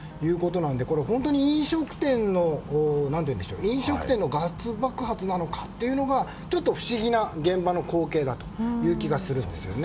これは本当に飲食店のガス爆発かというのがちょっと不思議な現場の光景だという気がするんですよね。